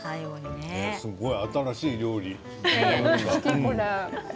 すごい新しい料理。